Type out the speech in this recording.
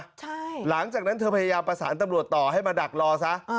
ใช่หลังจากนั้นเธอพยายามประสานตำรวจต่อให้มาดักรอซะ